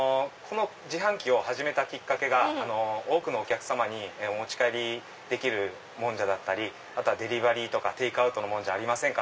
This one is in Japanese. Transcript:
自販機を始めたきっかけが多くのお客様にお持ち帰りできるもんじゃだったりデリバリーとかテイクアウトのもんじゃありませんか？